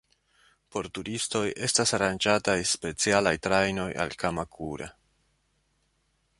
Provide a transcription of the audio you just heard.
Por turistoj estas aranĝataj specialaj trajnoj al Kamakura.